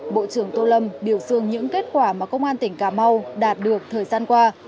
bộ trưởng tô lâm biểu dương những kết quả mà công an tỉnh cà mau đạt được thời gian qua